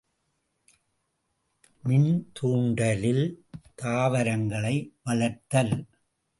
மின் தூண்டலில் தாவரங்களை வளர்த்தல்.